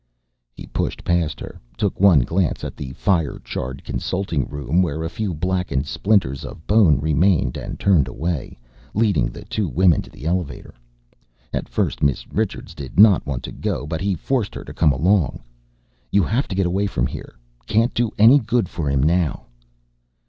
He pushed past her, took one glance at the fire charred consulting room where a few blackened splinters of bone remained and turned away, leading the two women to the elevator. At first Miss Richards did not want to go but he forced her to come along. "You have to get away from here can't do any good for him now."